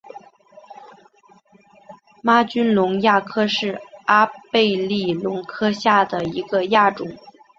玛君龙亚科是阿贝力龙科下的一个亚科。